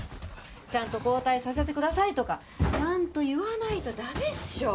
ちゃんと交代させてくださいとか言わないとダメでしょ